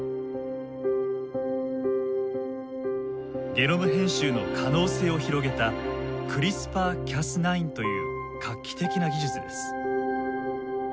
ゲノム編集の可能性を広げたクリスパー・キャス９という画期的な技術です。